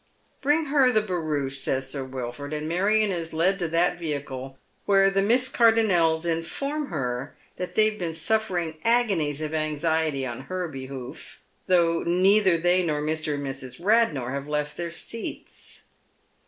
" Bring h ij ■■ the barouche," says Sir Wilford, and Marion is led to that vemde, where the Miss Cardonnels inform ker that they have been sufEering agonies of anxiety on her behoof, though neither they nor Mrs. and Miss Eadnor have left their seats.